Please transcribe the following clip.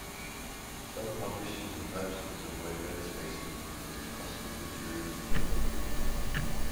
Some publishers and typesetters avoided letter-spacing because it was costly in materials and labor.